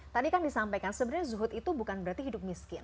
tadi kan disampaikan sebenarnya zuhud itu bukan berarti hidup miskin